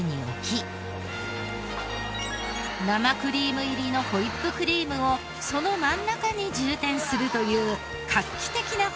生クリーム入りのホイップクリームをその真ん中に充填するという画期的な方法。